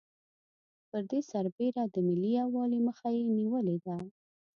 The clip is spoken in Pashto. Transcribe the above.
پر دې سربېره د ملي یوالي مخه یې نېولې ده.